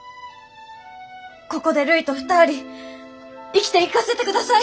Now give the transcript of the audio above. ここでるいと２人生きていかせてください！